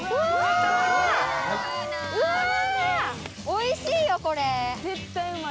おいしいよこれ。